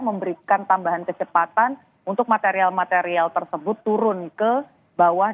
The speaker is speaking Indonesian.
memberikan tambahan kecepatan untuk material material tersebut turun ke bawah